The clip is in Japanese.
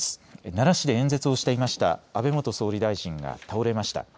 奈良市で演説をしていました安倍元総理大臣が倒れました。